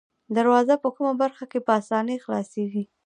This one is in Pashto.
دروازه په کومه برخه کې په آسانۍ خلاصیږي؟